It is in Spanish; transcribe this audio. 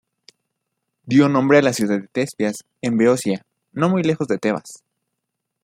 Dio nombre a la ciudad de Tespias, en Beocia, no muy lejos de Tebas.